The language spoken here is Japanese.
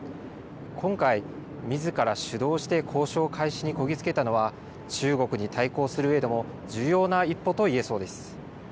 今回、みずから主導して交渉開始にこぎ着けたのは、中国に対抗するうえでも重要な一歩といえそうです。